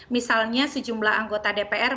misalnya sejumlah anggota dpr